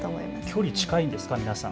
距離、近いんですか、皆さん。